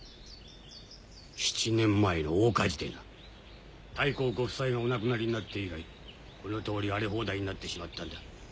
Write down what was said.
７年前の大火事でな大公ご夫妻がお亡くなりになって以来この通り荒れ放題になってしまったんだ。